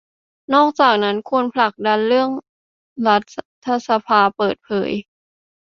นอกจากนั้นควรผลักดันเรื่องรัฐสภาเปิดเผย